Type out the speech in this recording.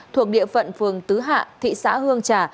thuộc địa phận phường tứ hạ thị xã hương trà